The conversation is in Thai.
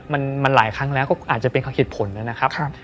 มันหลายครั้งแล้วก็อาจจะเป็นเหตุผลนะครับ